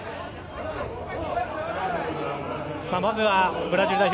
まずはブラジル代表